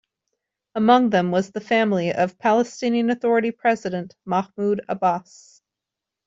Among them was the family of Palestinian Authority President Mahmoud Abbas.